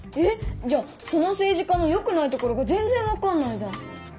えっじゃあそのせいじ家のよくないところが全ぜんわかんないじゃん。